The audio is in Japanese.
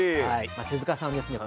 手塚さんですね